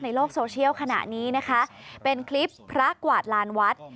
ในโลกโซเชียลขณะนี้นะคะเป็นคลิปพระกวาดลานวัด